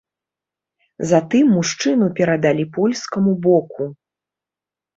Затым мужчыну перадалі польскаму боку.